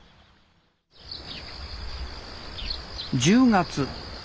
１０月。